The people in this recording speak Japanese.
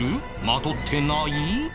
まとってない？